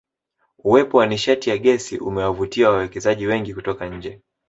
Uwepo wa nishati ya Gesi umewavutia wawekezaji wengi kutoka nje